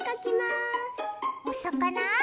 おさかな？